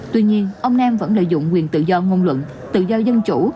tuy nhiên ông nam vẫn lợi dụng quyền tự do ngôn luận tự do dân chủ